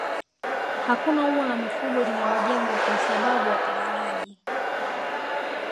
Hakuna ua la mifugo linalojengwa kwa sababu wapiganaji